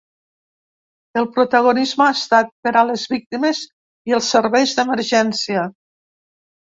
El protagonisme ha estat per a les víctimes i els serveis d’emergència.